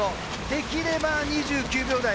できれば２９秒台。